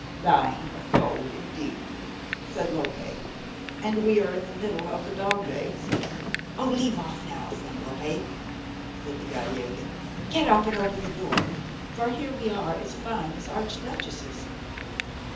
"Dying of cold indeed," said Lope, "and we are in the middle of the dog days." "Oh, leave off now, friend Lope," said the Gallegan; "get up and open the door; for here we are as fine as archduchesses."